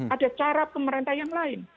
ada cara pemerintah yang lain